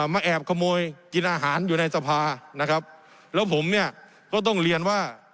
มาแอบขโมยกินอาหารอยู่ในสภานะครับแล้วผมเนี่ยก็ต้องเรียนว่า